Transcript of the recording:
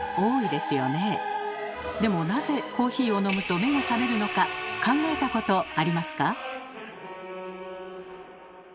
でもなぜコーヒーを飲むと目が覚めるのか考えたことありますか？